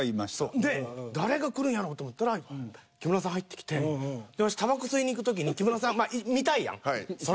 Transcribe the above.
で誰が来るんやろうと思ったら木村さん入ってきてワシたばこ吸いに行く時に木村さんまあ見たいやんそら。